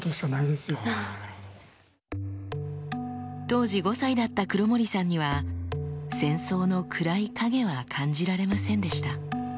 当時５歳だった黒森さんには戦争の暗い影は感じられませんでした。